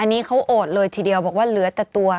อันนี้เขาโอดเลยทีเดียวบอกว่าเหลือแต่ตัว